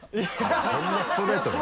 そんなストレートに聞く？